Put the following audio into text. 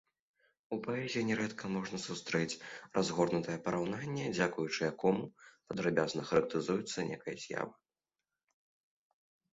У паэзіі нярэдка можна сустрэць разгорнутае параўнанне, дзякуючы якому падрабязна характарызуецца нейкая з'ява.